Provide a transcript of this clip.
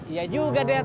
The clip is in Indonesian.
iya juga det